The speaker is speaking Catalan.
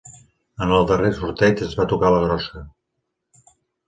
En el darrer sorteig ens va tocar la grossa.